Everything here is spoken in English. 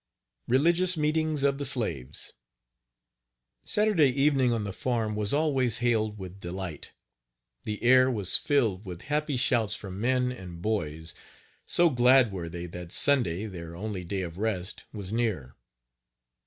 RELIGIOUS MEETINGS OF THE SLAVES. Saturday evening on the farm was always hailed with delight. The air was filled with happy shouts from men and boys, so glad were they that Sunday, their only day of rest, was near.